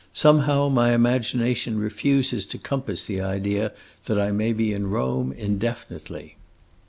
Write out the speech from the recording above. Somehow, my imagination refuses to compass the idea that I may be in Rome indefinitely."